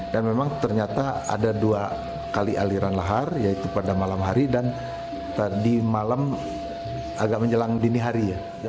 dan memang ternyata ada dua kali aliran lahar yaitu pada malam hari dan di malam agak menjelang dini hari